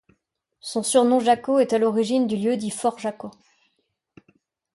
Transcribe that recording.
Son surnom Jaco est à l'origine du lieu-dit Fort Jaco.